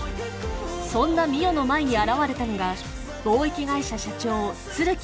そんな美世の前に現れたのが貿易会社社長鶴木